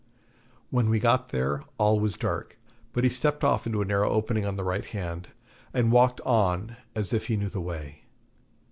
When we got there all was dark, but he stepped off into a narrow opening on the right hand, and walked on as if he knew the way.